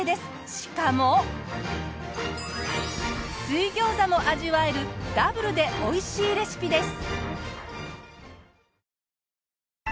しかも水餃子も味わえるダブルでおいしいレシピです。